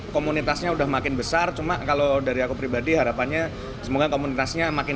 komunitasnya udah makin besar cuma kalau dari aku pribadi harapannya semoga komunitasnya makin